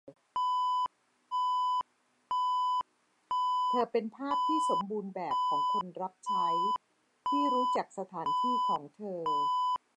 เธอเป็นภาพที่สมบูรณ์แบบของคนรับใช้ที่รู้จักสถานที่ของเธอ